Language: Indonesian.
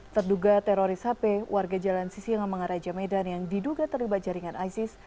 terduga teroris hp warga jalan sisi yang mengaraja medan yang diduga terlibat jaringan isis